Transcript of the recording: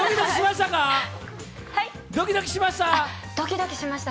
ドキドキしました？